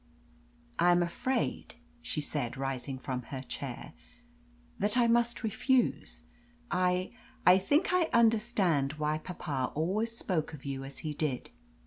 "I am afraid," she said, rising from her chair, "that I must refuse. I I think I understand why papa always spoke of you as he did.